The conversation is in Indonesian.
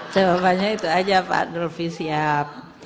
jawabannya itu aja pak dovi siap